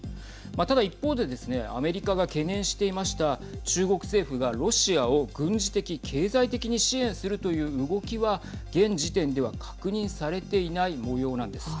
ただ一方でですねアメリカが懸念していました中国政府がロシアを軍事的、経済的に支援するという動きは現時点では確認されていないもようなんです。